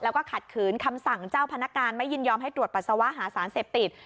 แล้วก็ขัดขืนคำสั่งเจ้าพนักงานไม่ยินยอมให้ตรวจปัสสาวะหาสารเสพติด